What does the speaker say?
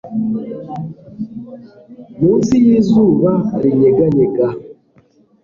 munsi y'izuba rinyeganyega